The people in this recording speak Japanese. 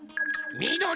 みどり。